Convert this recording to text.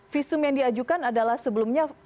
visum yang diajukan adalah sebelumnya